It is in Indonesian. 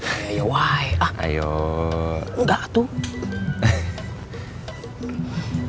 mencinta seseorang itu bukan berarti jatuh cinta